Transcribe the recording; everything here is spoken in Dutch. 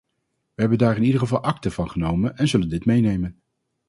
We hebben daar in ieder geval akte van genomen en zullen dit meenemen.